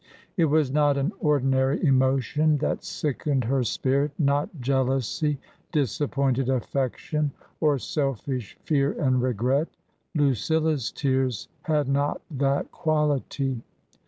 It was not an ordinary emotion that sickened her spirit, not jealousy, disappointed affection, or selfish fear and regret ; Lucilla's tears had not that quality.